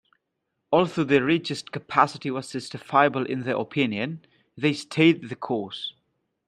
Although the reduced capacity was justifiable in their opinion, they stayed the course.